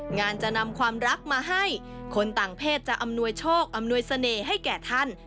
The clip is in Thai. งานจะนำความรักมาให้คนต่างเพศจะอำนวยโชคอำนวยเสน่ห์ให้แก่ท่าน